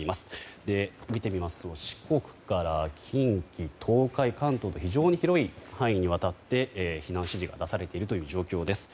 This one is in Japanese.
見てみますと四国から近畿、東海、関東と非常に広い範囲にわたって避難指示が出されている状況です。